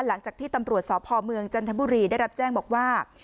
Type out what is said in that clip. หลังจากที่ตำรวจสพเมืองจันทบุรีได้รับแจ้งบอกว่า